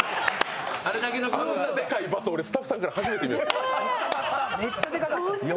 あんなでかい×を、俺スタッフさんから初めて見ました。